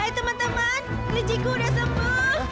hai teman teman lejiku sudah sembuh